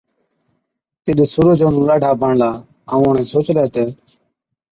تِڏ سُورج اونهُون ڏاڍا بڻلا، ائُون اُڻهين سوچلَي تہ،